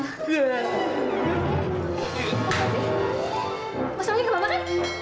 mas ramzi gak mau makan